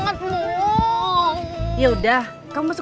masa tadi aku ga bisa nunggu